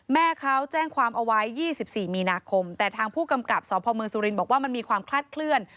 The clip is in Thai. แม่เขาแจ้งความเอาไว้๒๔มีนาคมแต่ทางผู้กำกับสพเมืองสุรินทร์บอกว่ามันมีความคลาดเคลื่อน